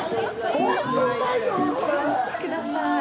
見てください。